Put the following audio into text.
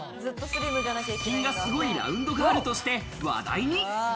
腹筋がすごいラウンドガールとして話題に。